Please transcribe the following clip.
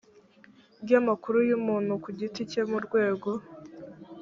ry amakuru y umuntu ku giti cye mu rwego